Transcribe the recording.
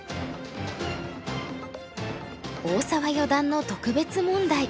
大澤四段の特別問題。